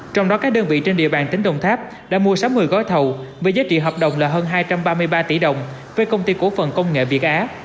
trong đó các đơn vị trên địa bàn tỉnh đồng tháp đã mua sáu mươi gói thầu với giá trị hợp đồng là hơn hai trăm ba mươi ba tỷ đồng với công ty cổ phần công nghệ việt á